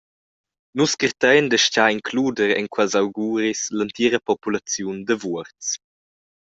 Nus cartein d’astgar includer en quels auguris l’entira populaziun da Vuorz.